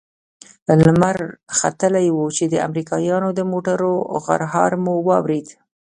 لمر ختلى و چې د امريکايانو د موټرو غرهار مو واورېد.